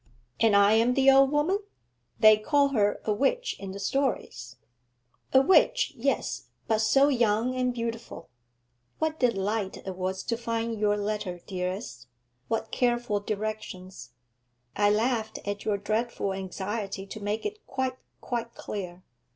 "' 'And I am the old woman. They call her a witch in the stories.' 'A witch, yes; but so young and beautiful. What delight it was to find your letter, dearest! What careful directions! I laughed at your dreadful anxiety to make it quite, quite clear.